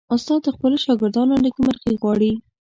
استاد د خپلو شاګردانو نیکمرغي غواړي.